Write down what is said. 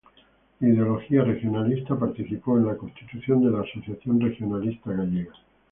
De ideología regionalista participó en la constitución de la Asociación Regionalista Gallega.